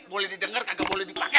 boleh didengar kagak boleh dipake